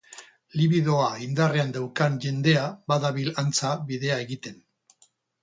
Libidoa indarrean daukan jendea badabil antza bidea egiten.